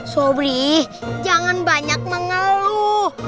sobri jangan banyak mengeluh